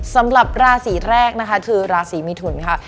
สำหรับราศีแรกนะคะคือราศีมิถุนค่ะ